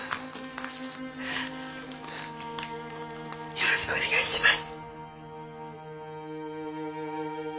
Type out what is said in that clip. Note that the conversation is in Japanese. よろしくお願いします。